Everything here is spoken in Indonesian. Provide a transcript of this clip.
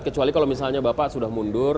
kecuali kalau misalnya bapak sudah mundur